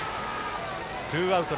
ツーアウト。